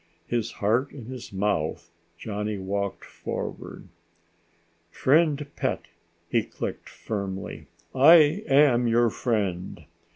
His heart in his mouth, Johnny walked forward. "Friend pet," he clicked firmly, "I am your friend."